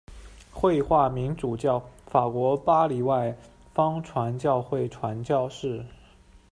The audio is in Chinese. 惠化民主教，法国巴黎外方传教会传教士。